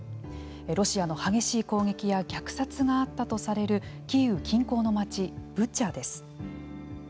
ロシアの激しい攻撃や虐殺があったとされるキーウ近郊の町、ブチャです。